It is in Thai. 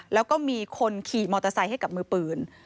แล้วก็มีคนขี่มอเตอร์ไซค์ให้กับมือปืน